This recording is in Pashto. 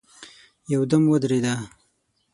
يودم ودرېده.